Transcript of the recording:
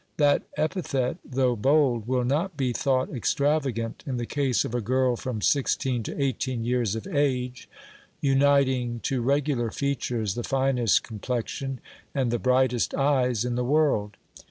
That epithet, though bold, will not be thought extravagant, in the case of a girl from sixteen to eighteen years of age, uniting to regular features the finest complexion and the brighest eyes in the world.